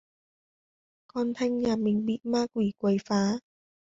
con thanh nhà mình bị ma quỷ Quấy phá